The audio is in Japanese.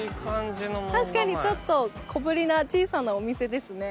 確かにちょっと小ぶりな小さなお店ですね。